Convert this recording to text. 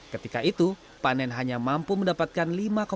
ketika itu panen hanya mampu mendapatkan